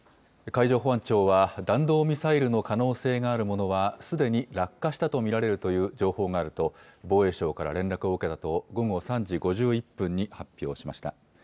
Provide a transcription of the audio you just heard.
海上保安庁は弾道ミサイルの可能性があるものはすでに落下したと見られるという情報があると防衛省から連絡を受けたと午後３時５１分に発表しました。